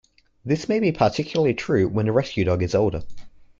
This may be particularly true when the rescue dog is older.